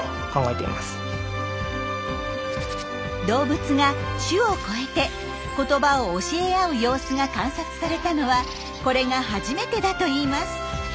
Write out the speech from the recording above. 動物が種を超えて言葉を教え合う様子が観察されたのはこれが初めてだといいます。